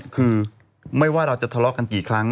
คือไม่ว่าเราจะทะเลาะกันกี่ครั้ง